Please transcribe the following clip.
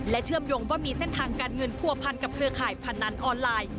เชื่อมโยงว่ามีเส้นทางการเงินผัวพันกับเครือข่ายพนันออนไลน์